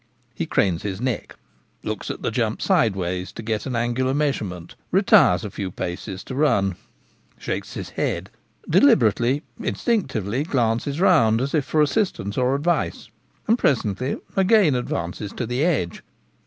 He cranes his neck, looks at the jump sideways to get an angular measurement, retires a few paces to run, shakes his head, deliberates, instinctively glances round as if for assistance or advice, and presently again advances to the edge.